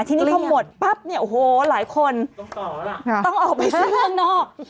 ที่นี่เขาหมดปั๊บโอ้โฮหลายคนต้องออกไปซื้อข้างนอก